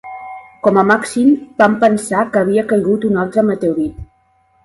Com a màxim van pensar que havia caigut un altre meteorit.